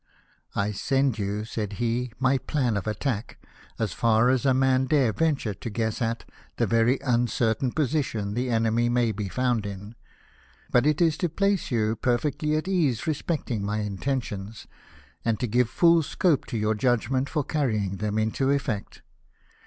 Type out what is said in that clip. " I send you," said he, "my plan of attack, as far as a man dare venture to guess at the very uncertain position the enemy may be found in ; but it is to place you per fectly at ease respecting my intentions, and to give full scope to your judgment for carrying them into effect.